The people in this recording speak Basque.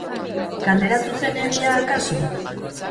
Galdera zuzenegia, akaso?